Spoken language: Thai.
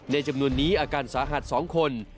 จำนวนนี้อาการสาหัส๒คน